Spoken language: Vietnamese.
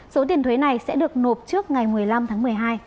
số tiền thuế này sẽ được nộp trước ngày một mươi năm tháng một mươi hai